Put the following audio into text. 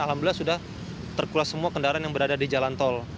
alhamdulillah sudah terkulas semua kendaraan yang berada di jalan tol